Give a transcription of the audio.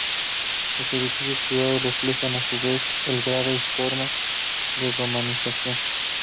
Los edificios privados reflejan a su vez el grado y forma de romanización.